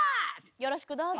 よろしくどうぞ。